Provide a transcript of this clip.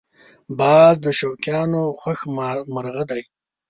باز د شوقیانو خوښ مرغه دی